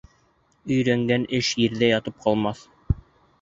Өйрәнгән эш ерҙә ятып ҡалмаҫ.